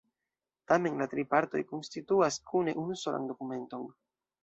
Tamen la tri partoj konstituas kune unusolan dokumenton.